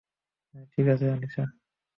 ঠিক আছে, আনিশা।